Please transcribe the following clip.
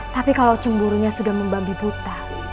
tapi kalau cemburunya sudah membambi buta